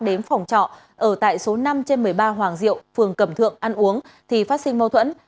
đến phòng trọ ở tại số năm trên một mươi ba hoàng diệu phường cẩm thượng ăn uống thì phát sinh mâu thuẫn